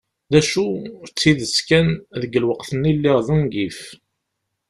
D acu, d tidet kan, deg lweqt-nni lliɣ d ungif.